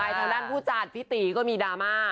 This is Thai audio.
เชียร์ต่อไปทางด้านผู้จัดพี่ตีก็มีดราม่า